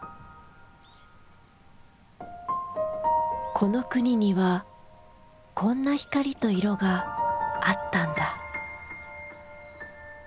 この国にはこんな光と色があったんだ。